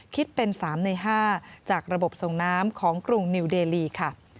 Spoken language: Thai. คิดเป็น๓ใน๕จากระบบส่งน้ำของกรุงนิวเดลีค่ะ